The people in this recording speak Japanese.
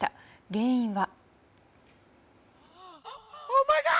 原因は。